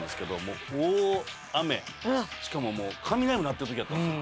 これもうねも鳴ってる時やったんすよ